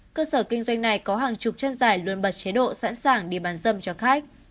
cơ sở kinh doanh này có hàng chục trang giải luôn bật chế độ sẵn sàng để bán dâm cho khách